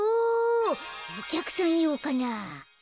おきゃくさんようかな？